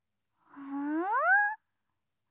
うん！